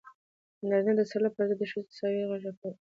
د نارينه د تسلط پر ضد د ښځو د تساوۍ غږ راپورته کړ.